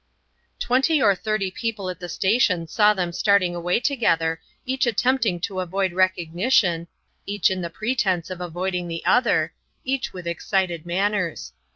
Twenty or thirty people at the station saw them starting away together, each attempting to avoid recognition, each in the pretence of avoiding the other, each with excited manners.